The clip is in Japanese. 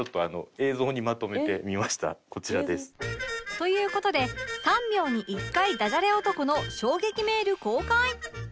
という事で３秒に１回ダジャレ男の衝撃メール公開